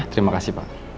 terima kasih pak